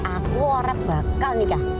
aku warap bakal nikah